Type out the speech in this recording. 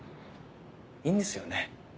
いいんですよね？